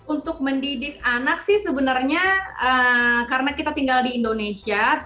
untuk mendidik anak sih sebenarnya karena kita tinggal di indonesia